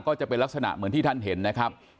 ก็จะเป็นลักษณะเหมือนที่ท่านเห็นนะครับ